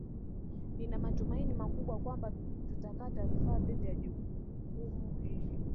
nina matumaini makubwa kwamba tutakata rufaa dhidi ya hukumu hii